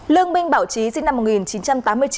lương minh bảo trí sinh năm một nghìn chín trăm tám mươi chín